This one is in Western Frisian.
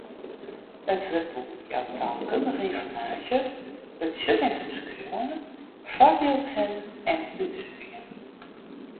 It wurdboek jout taalkundige ynformaasje, betsjuttingsomskriuwingen, foarbyldsinnen en útdrukkingen.